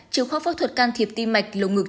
trường khoa phẫu thuật can thiệp tim mạch lầu ngực